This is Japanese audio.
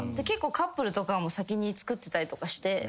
結構カップルとか先に作ってたりして。